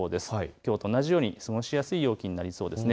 きょうと同じように過ごしやすい陽気になりそうですね。